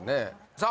さあ